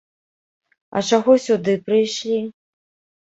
А чаго сюды прыйшлі?